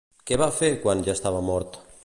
Què va fer, quan ja estava mort?